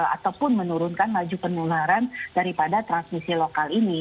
ataupun menurunkan laju penularan daripada transmisi lokal ini